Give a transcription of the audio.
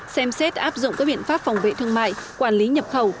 xem xét áp dụng các biện pháp phòng vệ thương mại quản lý nhập khẩu